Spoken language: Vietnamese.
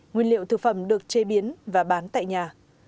nguyên liệu thực phẩm được chế biến và bán tại nhà